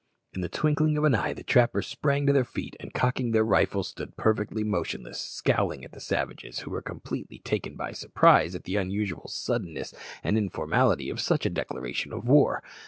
In the twinkling of an eye the trappers sprang to their feet, and cocking their rifles stood perfectly motionless, scowling at the savages, who were completely taken by surprise at the unusual suddenness and informality of such a declaration of war.